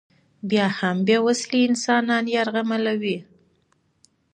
یا هم بې وسلې انسانان یرغمالوي.